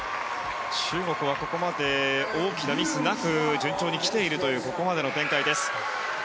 中国はここまで大きなミスなく順調に来ているというここまでの展開です。